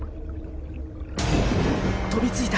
飛びついた！